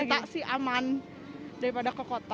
kita sih aman daripada ke kota